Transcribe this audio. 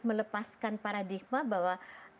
melepaskan paradigma bahwa